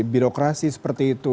birokrasi seperti itu